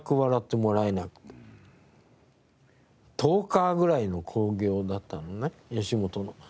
１０日ぐらいの興行だったのね吉本の。